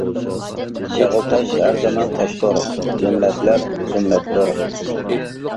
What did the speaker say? شېغىل تاش ھەر زامان تاشتۇر, زۇمرەتلەر-زۇمرەتتۇر.